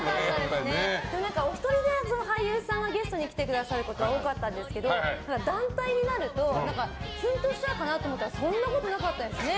お一人で俳優さんがゲストで来てくださる方が多かったんですけど団体になるとすんとしちゃうかなって思ったらそんなことなかったですね。